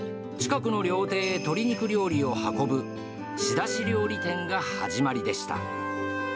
近くの料亭へ鶏肉料理を運ぶ、仕出し料理店が始まりでした。